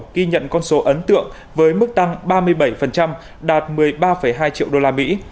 khi nhận con số ấn tượng với mức tăng ba mươi bảy đạt một mươi ba hai triệu usd